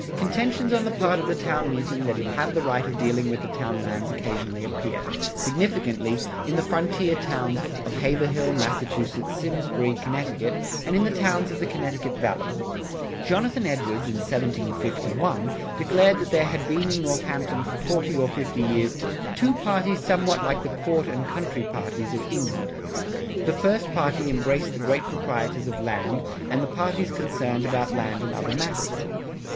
Contentions on the part of the town meeting that it had the right of dealing with the town lands occasionally appear, significantly, in the frontier towns of Haverhill, Massachusetts, Simsbury, Connecticut, and in the towns of the Connecticut Valley.[63:1] Jonathan Edwards, in 1751, declared that there had been in Northampton for forty or fifty years "two parties somewhat like the court and country parties of England. ... The first party embraced the great proprietors of land, and the parties concerned about land and other matters."